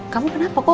kamu kenapa kok